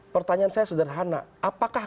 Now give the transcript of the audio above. pertanyaan saya sederhana apakah